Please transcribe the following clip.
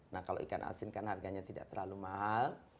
nah kalau ikan asin kan harganya tidak terlalu mahal